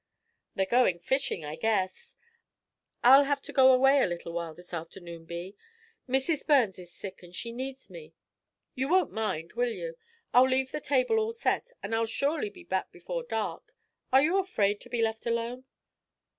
"They're going fishing, I guess. I'll have to go away a little while this afternoon, Bee. Mrs. Burns is sick and she needs me you won't mind, will you? I'll leave the table all set, and I'll surely be back before dark. Are you afraid to be left alone?"